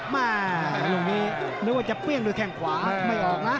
แม่ลูกนี้นึกว่าจะเปรี้ยงด้วยแข้งขวาไม่ออกนะ